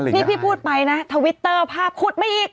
นี่พี่พูดไปนะทวิตเตอร์ภาพขุดมาอีก